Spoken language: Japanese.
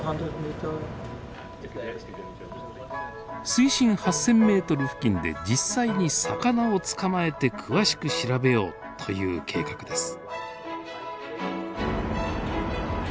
水深８，０００ｍ付近で実際に魚を捕まえて詳しく調べようという計画です。